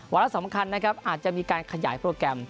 วันที่สำคัญอาจจะมีการขยายโปรแกรม